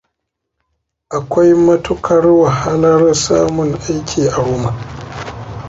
Akwai matukar wahalar samun aiki a Roma.